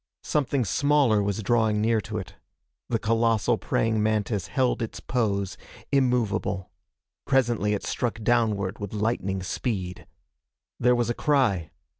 Something smaller was drawing near to it. The colossal praying mantis held its pose, immovable. Presently it struck downward with lightning speed. There was a cry.